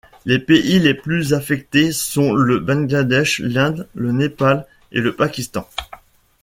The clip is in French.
Les pays les plus affectés sont le Bangladesh, l’Inde, le Népal et le Pakistan.